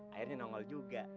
akhirnya nongol juga